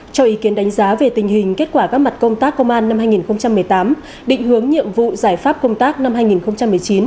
cho ý kiến đánh giá về tình hình kết quả các mặt công tác công an năm hai nghìn một mươi tám định hướng nhiệm vụ giải pháp công tác năm hai nghìn một mươi chín